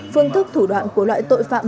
phương thức thủ đoạn của loại tội phạm